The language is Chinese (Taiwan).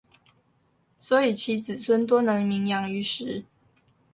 所以其子孫多能名揚於時